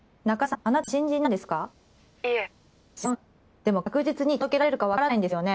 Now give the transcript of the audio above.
でも確実に届けられるかわからないんですよね？